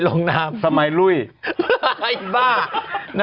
เป็นไงรุ่น